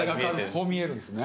そう見えるんですね。